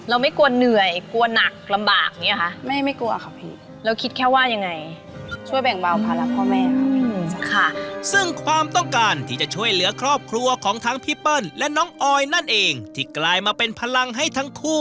เราไม่กลัวเหนื่อยกลัวหนักลำบาก